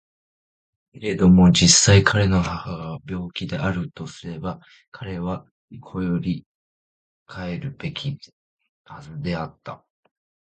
けれども実際彼の母が病気であるとすれば彼は固より帰るべきはずであった。